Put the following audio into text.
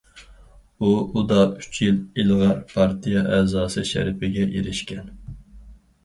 ئۇ ئۇدا ئۈچ يىل ئىلغار پارتىيە ئەزاسى شەرىپىگە ئېرىشكەن.